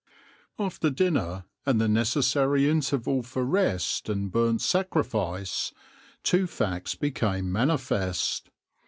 After dinner, and the necessary interval for rest and burnt sacrifice, two facts became manifest.